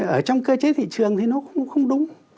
ở trong cơ chế thị trường thì nó không đúng